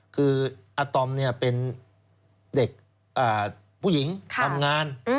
คืออาตอมเป็นเด็กผู้หญิงทำงาน